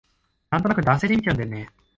なんとなく惰性で見ちゃうんだよね